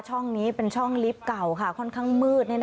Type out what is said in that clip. ช่องนี้เป็นช่องลิฟต์เก่าค่ะค่อนข้างมืด